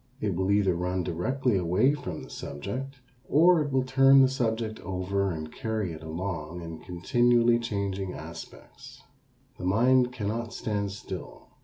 It will either run directly away from the subject or it will turn the subject over and carry it along in continually changing aspects. The mind cannot stand still.